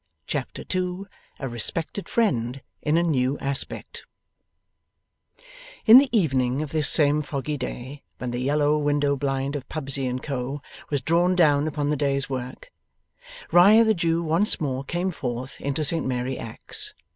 Chapter 2 A RESPECTED FRIEND IN A NEW ASPECT In the evening of this same foggy day when the yellow window blind of Pubsey and Co. was drawn down upon the day's work, Riah the Jew once more came forth into Saint Mary Axe.